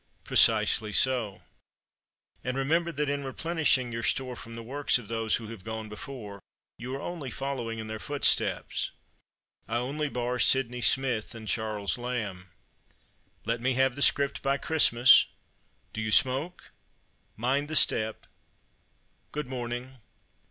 Precisely so. And remember that in replenishing your store from the works of those who have gone before, you are only following in their footsteps. I only bar Sydney Smith and Charles Lamb. Let me have the script by Christmas d'you smoke? mind the step good morning."